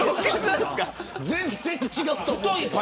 全然違うと思う。